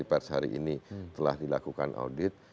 yang disipu hari ini telah dilakukan audit